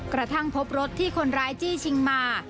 กระทั่งพบรถที่คนร้ายจี้ชิงมา